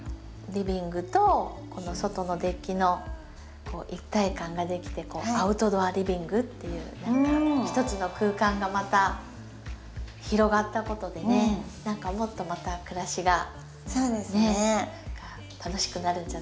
リビングと外のデッキの一体感ができてアウトドアリビングっていうひとつの空間がまた広がったことでね何かもっとまた暮らしがね楽しくなるんじゃないかなって。